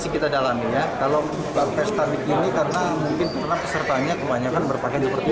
kita dalam ya kalau pesta ini karena mungkin pernah kesertanya kebanyakan berpakaian seperti